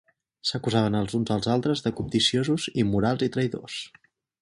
S'acusaven els uns als altres de cobdiciosos, immorals i traïdors.